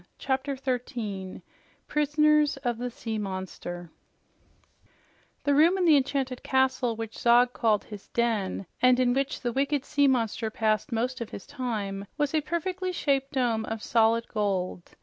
CHAPTER 13 PRISONERS OF THE SEA MONSTER The room in the enchanted castle which Zog called the "den" and in which the wicked sea monster passed most of his time was a perfectly shaped dome of solid gold.